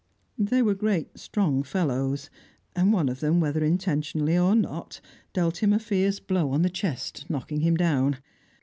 They were great strong fellows, and one of them, whether intentionally or not, dealt him a fierce blow on the chest, knocking him down.